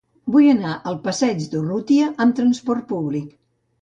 Vull anar al passeig d'Urrutia amb trasport públic.